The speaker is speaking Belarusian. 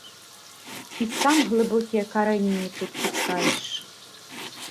І сам глыбокія карэнні тут пускаеш?